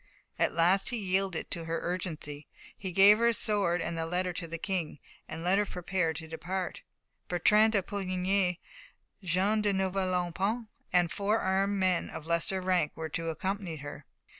At last he yielded to her urgency. He gave her a sword and a letter to the King, and let her prepare to depart. Bertrand de Poulengy, Jean de Novelonpont, and four armed men of lesser rank were to accompany her.